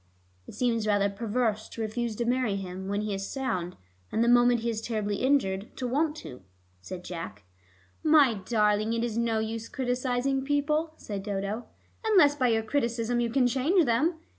"It seems rather perverse to refuse to marry him when he is sound, and the moment he is terribly injured to want to," said Jack. "My darling, it is no use criticizing people," said Dodo, "unless by your criticism you can change them.